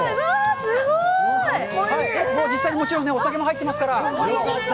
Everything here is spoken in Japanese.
すごい！実際にお酒も入ってますから。